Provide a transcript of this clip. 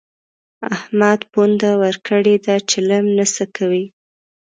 احمد پونده ورکړې ده؛ چلم نه څکوي.